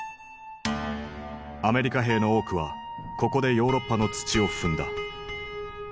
アメリカ兵の多くはここでヨーロッパの土を踏んだ。